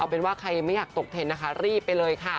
เป็นว่าใครไม่อยากตกเทรนดนะคะรีบไปเลยค่ะ